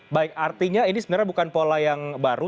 baik artinya ini sebenarnya bukan pola yang baru